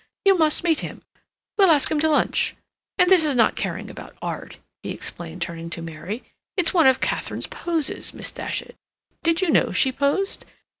You must meet him. We'll ask him to lunch. And this not caring about art," he explained, turning to Mary, "it's one of Katharine's poses, Miss Datchet. Did you know she posed?